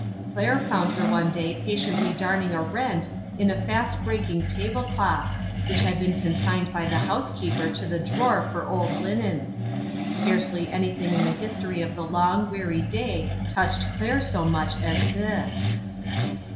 Claire found her one day patiently darning a rent in a fast breaking tablecloth, which had been consigned by the housekeeper to the drawer for old linen. Scarcely anything in the history of the long, weary day touched Claire so much as this.